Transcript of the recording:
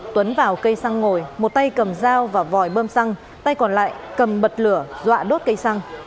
tuấn vào cây xăng ngồi một tay cầm dao và vòi bơm xăng tay còn lại cầm bật lửa dọa đốt cây xăng